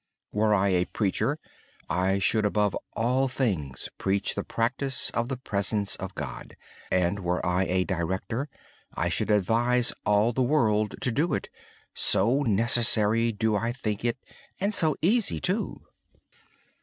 Were I a preacher, I would above all other things preach the practice of the presence of God. Were I a director, I would advise all the world to do it, so necessary do I think it, and so easy too.